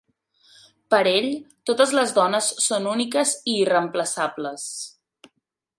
Per a ell, totes les dones són úniques i irreemplaçables.